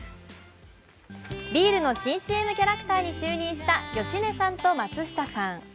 ビールの新ＣＭキャラクターに就任した芳根さんと松下さん。